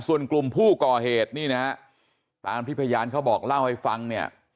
ส่วนกลุ่มผู้ก่อเหตุนี่นะฮะตามที่พยานเขาบอกเล่าให้ฟังเนี่ย